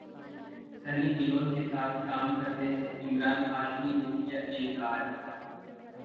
Sunny Leone के साथ काम करने से इमरान हाशमी ने किया इनकार